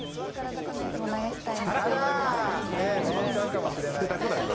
櫻坂のやつも流したいなって。